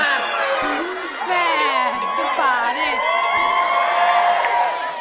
แม่สุฟานี่